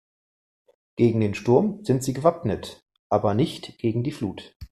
Gegen den Sturm sind sie gewappnet, aber nicht gegen die Flut.